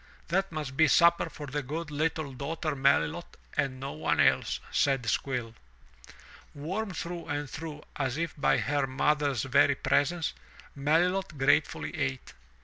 "That must be supper for the good little daughter Melilot and no one else,'* said Squill. Warmed through and through as if by her mother's very presence, Melilot gratefully ate.